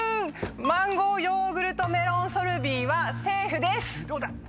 マンゴーヨーグルトメロンソルビンはセーフです。